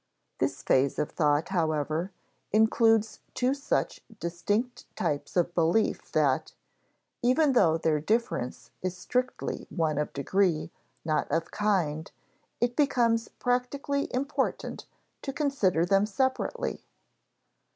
This phase of thought, however, includes two such distinct types of belief that, even though their difference is strictly one of degree, not of kind, it becomes practically important to consider them separately.